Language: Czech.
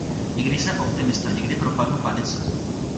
I když jsem optimista, někdy propadnu panice.